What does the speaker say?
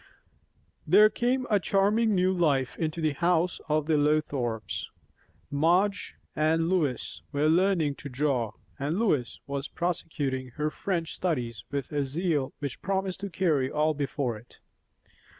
There came a charming new life into the house of the Lothrops. Madge and Lois were learning to draw, and Lois was prosecuting her French studies with a zeal which promised to carry all before it.